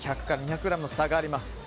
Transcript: １００から２００ｇの差があります。